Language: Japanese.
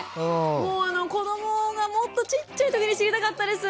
もう子どもがもっとちっちゃい時に知りたかったです。